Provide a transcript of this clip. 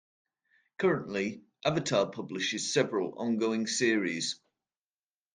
Currently, Avatar publishes several ongoing series.